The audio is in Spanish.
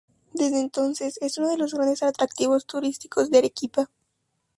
Desde entonces es uno de los grandes atractivos turísticos de Arequipa.